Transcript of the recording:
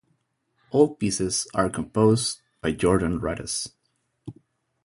All pieces are composed by Jordan Rudess.